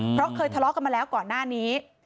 เพราะเคยทะเลาะกันมาแล้วก่อนหน้านี้